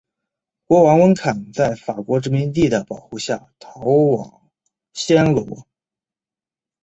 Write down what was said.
国王温坎在法国殖民者的保护下逃往暹罗。